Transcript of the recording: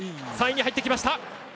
３位に入ってきました。